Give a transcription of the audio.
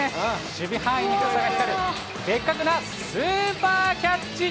守備範囲の広さが光る、ベッカクなスーパーキャッチ。